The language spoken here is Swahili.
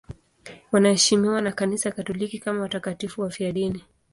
Wanaheshimiwa na Kanisa Katoliki kama watakatifu wafiadini.